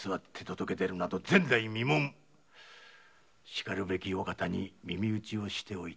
しかるべきお方に耳打ちした。